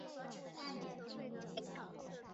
斯特宁镇区为美国堪萨斯州赖斯县辖下的镇区。